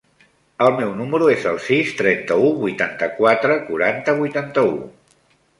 El meu número es el sis, trenta-u, vuitanta-quatre, quaranta, vuitanta-u.